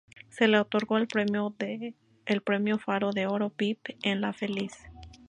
Se le otorgó el Premio Faro de Oro Vip en "La Feliz".